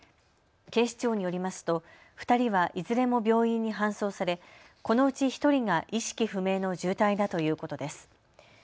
警視庁によりますと２人はいずれも病院に搬送されこのうち１人が意識不明の重体だということです。